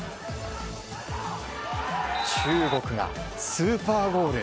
中国がスーパーゴール。